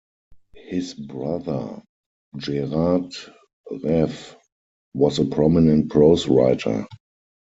His brother, Gerard Reve, was a prominent prose writer.